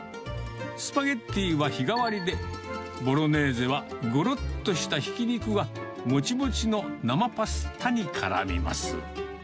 スパゲッティは日替わりで、ボロネーゼはごろっとしたひき肉が、もちもちの生パスタにからみます。